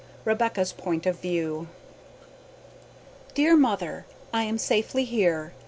IV REBECCA'S POINT OF VIEW Dear Mother, I am safely here.